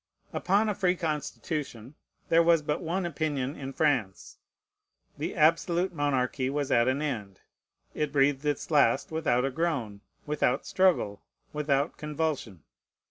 Upon a free constitution there was but one opinion in France. The absolute monarchy was at an end. It breathed its last without a groan, without struggle, without convulsion.